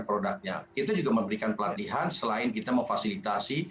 produknya kita juga memberikan pelatihan selain kita memfasilitasi